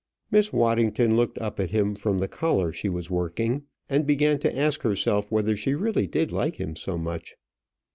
Miss Waddington looked up at him from the collar she was working, and began to ask herself whether she really did like him so much.